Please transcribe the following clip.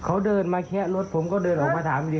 เขาเดินมาแคะรถผมก็เดินออกมาถามดี